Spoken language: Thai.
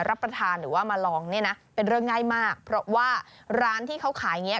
รับประทานหรือว่ามาลองเนี่ยนะเป็นเรื่องง่ายมากเพราะว่าร้านที่เขาขายอย่างเงี้